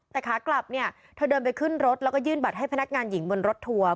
แต่ขากลับเนี่ยเธอเดินไปขึ้นรถแล้วก็ยื่นบัตรให้พนักงานหญิงบนรถทัวร์